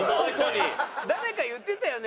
誰か言ってたよね？